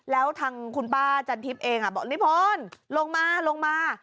แล้วทางคุณป้าจันทิพย์เองบอกนิพลลงมาลงมา